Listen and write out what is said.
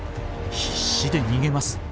必死で逃げます。